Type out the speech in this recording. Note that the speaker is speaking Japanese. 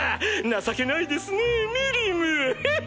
情けないですねぇミリム！